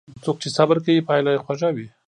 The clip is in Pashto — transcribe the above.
څوک چې صبر کوي، پایله یې خوږه وي.